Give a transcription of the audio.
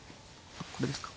これですか？